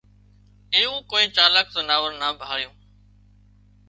ايوون ڪوئي چالاڪ زناور نا ڀاۯيون